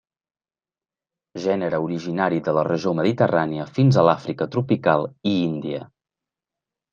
Gènere originari de la regió mediterrània fins a l'Àfrica tropical i Índia.